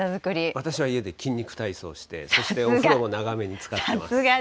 私は家で筋肉体操して、そしてお風呂も長めにつかっています。